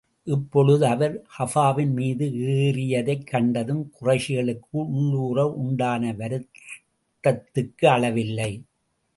இப்பொழுது அவர் கஃபாவின் மீது ஏறியதைக் கண்டதும், குறைஷிகளுக்கு உள்ளுற உண்டான வருத்தத்துக்கு அளவில்லை.